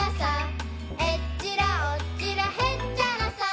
「えっちらおっちらへっちゃらさ」